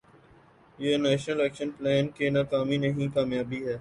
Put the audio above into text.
یہ national action plan کی ناکامی نہیں، کامیابی ہے۔